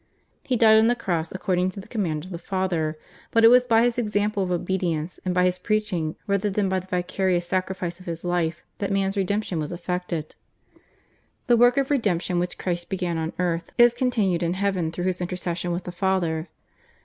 He died on the cross according to the command of the Father, but it was by His example of obedience and by His preaching rather than by the vicarious sacrifice of His life that man's redemption was effected. The work of redemption which Christ began on earth is continued in Heaven through His intercession with the Father.